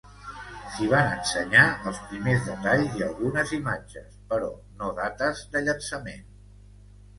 S'hi van ensenyar els primers detalls i algunes imatges, però no dates de llançament.